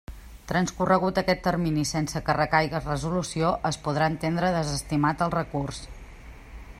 Transcorregut aquest termini sense que recaiga resolució es podrà entendre desestimat el recurs.